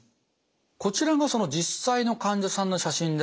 こちらがその実際の患者さんの写真ですね。